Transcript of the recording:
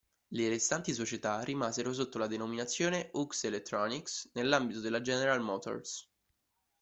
Le restanti società rimasero sotto la denominazione Hughes Electronics nell'ambito della General Motors.